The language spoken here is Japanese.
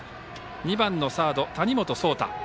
２番のサード、谷本颯太。